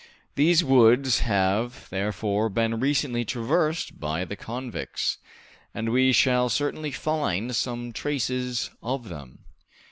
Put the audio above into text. These woods have, therefore, been recently traversed by the convicts, and we shall certainly find some traces of them."